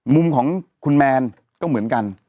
มุมของคุณแมนก็เหมือนกัน